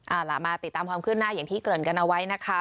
เอาล่ะมาติดตามความขึ้นหน้าอย่างที่เกริ่นกันเอาไว้นะคะ